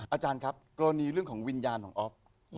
อาจารย์ครับกรณีเรื่องของวิญญาณของอ๊อฟ